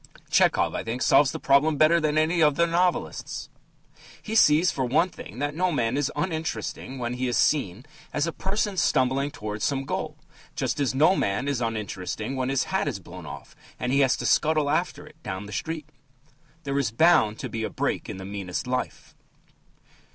Tchehov, I think, solves the problem better than any of the other novelists. He sees, for one thing, that no man is uninteresting when he is seen as a person stumbling towards some goal, just as no man is uninteresting when his hat is blown off and he has to scuttle after it down the street. There is bound to be a break in the meanest life.